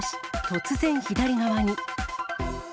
突然、左側に。